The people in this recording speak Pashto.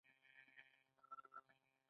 دوی د بریالیتوب عوامل روښانه کړل.